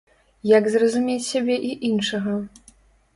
Як зразумець сябе і іншага?